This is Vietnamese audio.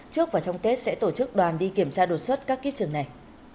trước và trong tết sẽ tổ chức đoàn đi kiểm tra đột xuất các kiếp trường này